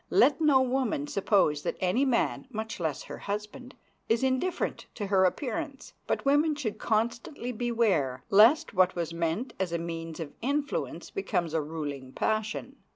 Let no woman suppose that any man, much less her husband, is indifferent to her appearance. But women should constantly beware lest what was meant as a means of influence becomes a ruling passion.